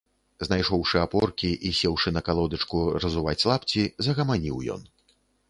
Знайшоўшы апоркі і сеўшы на калодачку разуваць лапці, загаманіў ён.